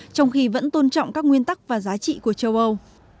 trong khi vẫn tôn trọng các nguyên tắc và giá trị của châu âu